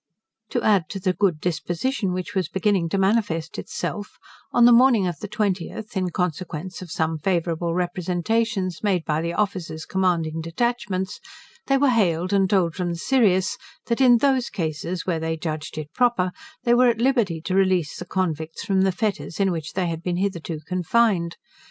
To add to the good disposition which was beginning to manifest itself, on the morning of the 20th, in consequence of some favorable representations made by the officers commanding detachments, they were hailed and told from the Sirius, that in those cases where they judged it proper, they were at liberty to release the convicts from the fetters in which they had been hitherto confined.